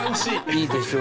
いいでしょ？